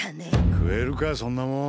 食えるかぁそんなもん。